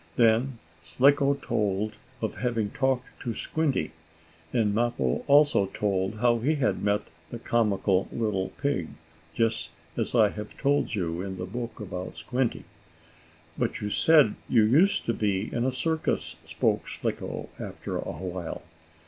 Then Slicko told of having talked to Squinty, and Mappo also told how he had met the comical little pig, just as I have told you in the book about Squinty. "But you said you used to be in a circus," spoke Slicko, after a while.